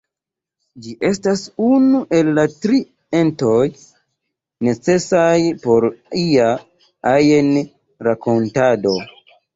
Ĝi estas unu el la tri entoj necesaj por ia ajn rakontado.